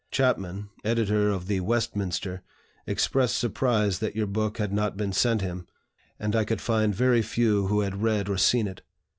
Chapman, editor of the 'Westminster,' expressed surprise that your book had not been sent him, and I could find very few who had read or seen it.